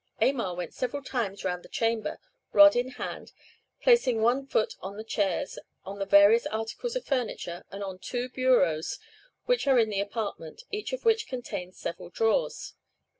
Aymar went several times round the chamber, rod in hand, placing one foot on the chairs, on the various articles of furniture, and on two bureaux which are in the apartment, each of which contains several drawers.